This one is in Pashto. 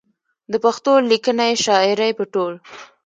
د پښتو ليکنۍ شاعرۍ په ټول